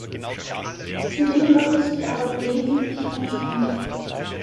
Zudem macht es die Arbeit wesentlich entspannter.